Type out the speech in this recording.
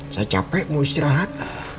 saya capek mau istirahat